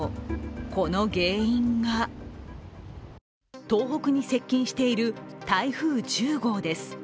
この原因が、東北に接近している台風１０号です。